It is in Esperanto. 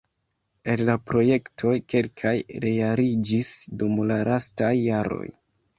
El la projektoj kelkaj realiĝis dum la lastaj jaroj.